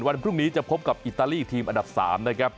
วันพรุ่งนี้จะพบกับอิตาลีทีมอันดับ๓นะครับ